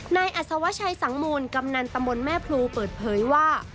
อัศวชัยสังมูลกำนันตำบลแม่พลูเปิดเผยว่า